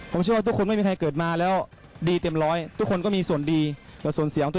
ผมเชื่อว่าทุกคนไม่มีใครเกิดมาแล้วดีเต็มร้อย